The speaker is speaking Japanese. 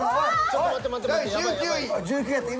ちょっと待って待って。